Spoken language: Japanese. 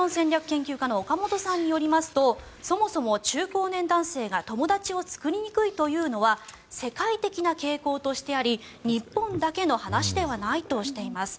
研究家の岡本さんによりますとそもそも中高年男性が友達を作りにくいというのは世界的な傾向としてあり日本だけの話ではないとしています。